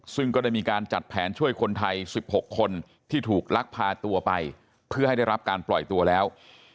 ซึ่งก็ได้มีการจัดแผนช่วยคนไทย๑๖คนที่ถูกลักพาตัวไปเพื่อให้ได้รับการปล่อยตัวแล้ว